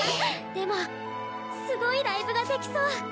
でもすごいライブができそう！